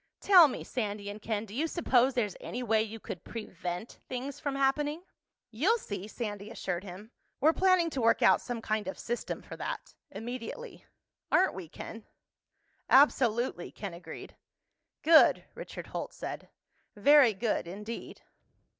"Tell me, Sandy and Ken, do you suppose there's any way you could prevent things from happening?" "You'll see," Sandy assured him. "We're planning to work out some kind of system for that—immediately. Aren't we, Ken?" "Absolutely," Ken agreed. "Good," Richard Holt said. "Very good indeed."